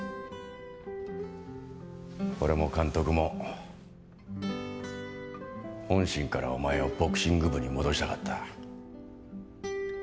俺も監督も本心からお前をボクシング部に戻したかった。